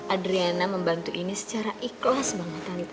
adriana membantu ini secara ikhlas banget